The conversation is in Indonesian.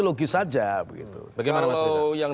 logis saja kalau yang